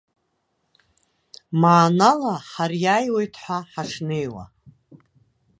Маанала ҳариааиуеит ҳәа ҳашнеиуа.